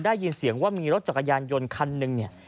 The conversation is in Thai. ได้ยินเสียงว่ามีรถจักรยานยนต์คันหนึ่งเนี่ย